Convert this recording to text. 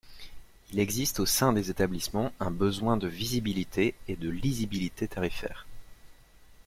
Il existe au sein des établissements un besoin de visibilité et de lisibilité tarifaires.